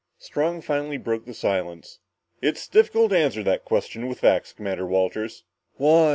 Strong finally broke the silence. "It's difficult to answer that question with facts, Commander Walters." "Why?"